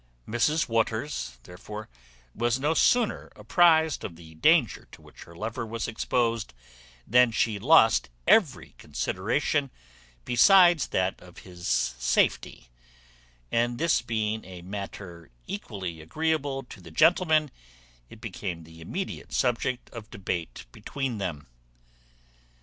Mrs Waters, therefore, was no sooner apprized of the danger to which her lover was exposed, than she lost every consideration besides that of his safety; and this being a matter equally agreeable to the gentleman, it became the immediate subject of debate between them.